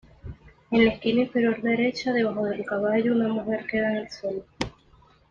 En la esquina inferior derecha, debajo del caballo, una mujer queda en el suelo.